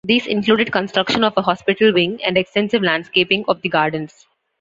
These included construction of a Hospital Wing and extensive landscaping of the gardens.